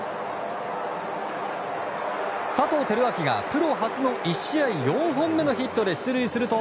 佐藤輝明がプロ初の１試合４本目のヒットで出塁すると。